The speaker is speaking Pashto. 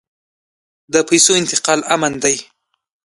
د پیسو انتقال امن دی؟